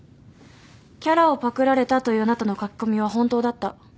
「キャラをパクられた」というあなたの書き込みは本当だった。